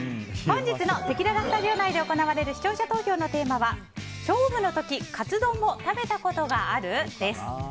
本日のせきららスタジオ内で行われる視聴者投票のテーマは勝負のときカツ丼を食べたことがある？です。